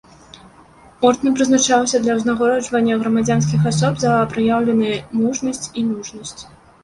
Ордэн прызначаўся для ўзнагароджання грамадзянскіх асоб за праяўленыя мужнасць і мужнасць.